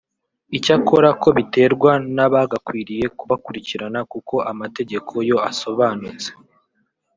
icyakora ko biterwa n’abagakwiriye kubakurikirana kuko amategeko yo asobanutse